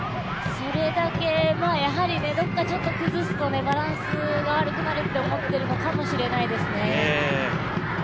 それだけ、やはりどこか崩すとバランスが悪くなると思ってるのかもしれないですね。